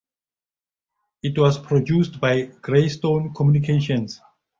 It was produced by Greystone Communications.